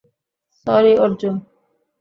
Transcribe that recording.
Sorry, Arjun.